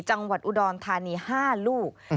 จังหวัดอุดรธานี๕ลูก